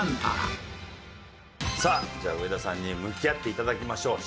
さあじゃあ上田さんに向き合って頂きましょう。